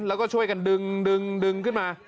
แล้วก็ช่วยกันดึงขึ้นมา